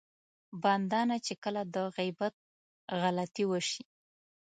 بنده نه چې کله د غيبت غلطي وشي.